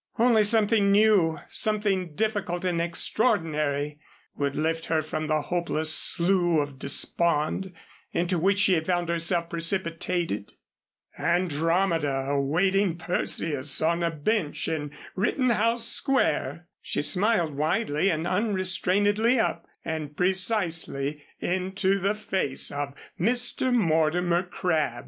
Only something new, something difficult and extraordinary would lift her from the hopeless slough of despond into which she had found herself precipitated. Andromeda awaiting Perseus on a bench in Rittenhouse Square! She smiled widely and unrestrainedly up and precisely into the face of Mr. Mortimer Crabb.